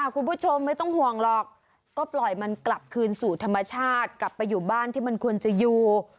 ก็ปล่อยมันกลับคืนสู่ธรรมชาติกลับไปอยู่บ้านที่มันควรจะอยู่